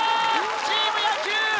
チーム野球！